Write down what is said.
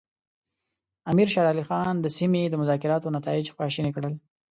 امیر شېر علي خان د سیملې د مذاکراتو نتایج خواشیني کړل.